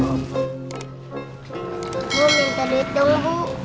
bu minta duit dong bu